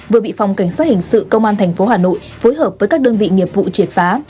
vừa bị phòng cảnh sát hình sự công an tp hà nội phối hợp với các đơn vị nghiệp vụ triệt phá